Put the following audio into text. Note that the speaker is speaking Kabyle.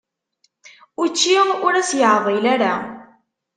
Učči, ur as-yeɛḍil ara.